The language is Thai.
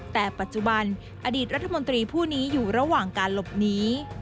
แต่ปัจจุบันอดีตรัฐมนตรีผู้นี้อยู่ระหว่างการหลบหนี